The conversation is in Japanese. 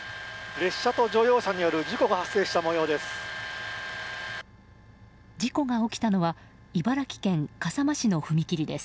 列車と乗用車による事故が発生した模様です。